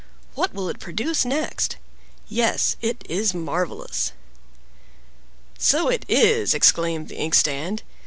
What will it produce next? Yes, it is marvelous!" "So it is!" exclaimed the Inkstand.